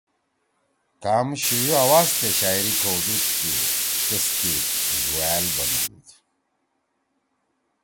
کام شیِو آواز تے شاعری کؤدُودو تیسکے ڙوأل بنُودُود۔